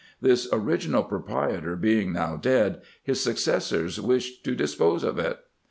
This original proprietor being now dead, his successors wished to dispose of it.